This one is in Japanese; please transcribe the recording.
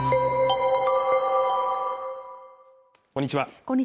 こんにちは